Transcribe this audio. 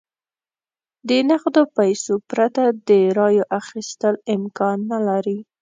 د نغدو پیسو پرته د رایو اخیستل امکان نه لري.